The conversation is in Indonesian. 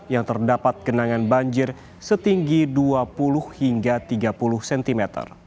yang terdapat kenangan banjir setinggi dua puluh hingga tiga puluh cm